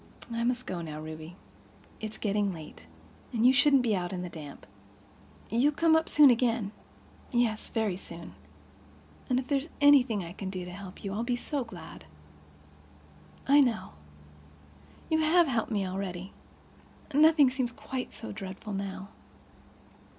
"I must go now, Ruby. It's getting late—and you shouldn't be out in the damp." "You'll come up soon again." "Yes, very soon. And if there's anything I can do to help you I'll be so glad." "I know. You have helped me already. Nothing seems quite so dreadful now.